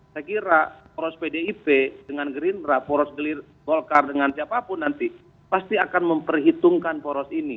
saya kira poros pdip dengan gerindra poros golkar dengan siapapun nanti pasti akan memperhitungkan poros ini